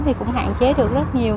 thì cũng hạn chế được rất nhiều